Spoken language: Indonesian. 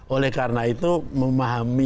oleh karena itu memahami